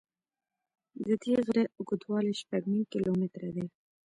د دې غره اوږدوالی شپږ نیم کیلومتره دی.